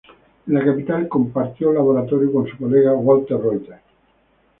En la capital compartió laboratorio con su colega Walter Reuter.